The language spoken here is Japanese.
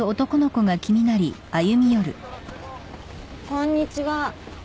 こんにちは。